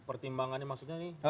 pertimbangannya maksudnya nih